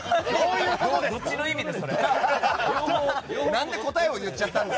どっちの意味で？